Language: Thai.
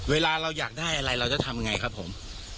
เวลาเราอยากได้อะไรเราจะทำยังไงครับผม